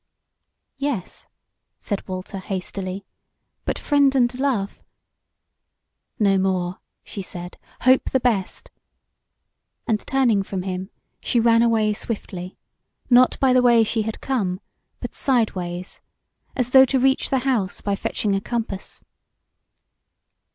"Yes," said Walter hastily; "but friend and love " "No more," she said; "hope the best;" and turning from him she ran away swiftly, not by the way she had come, but sideways, as though to reach the house by fetching a compass.